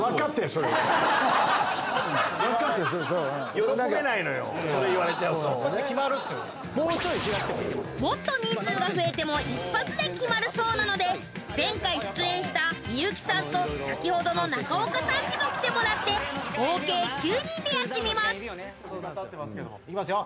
それはそれ言われちゃうともっと人数が増えても一発で決まるそうなので前回出演した幸さんと先ほどの中岡さんにも来てもらって合計９人でやってみますいきますよ